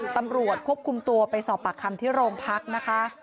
ตำรวจควบคุมตัวไปสอบปากคำที่โรงพักนะคะ